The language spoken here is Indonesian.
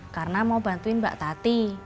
karena mau bantuin mbak tati